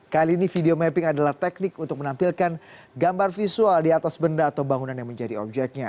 kali ini video mapping adalah teknik untuk menampilkan gambar visual di atas benda atau bangunan yang menjadi objeknya